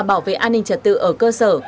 bảo vệ an ninh trật tự ở cơ sở